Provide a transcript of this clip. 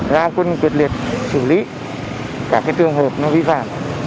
ra quân quyết liệt xử lý các trường hợp vi phạm